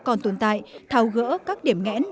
không chủ quan và hài lòng với những kết quả đẹp nhất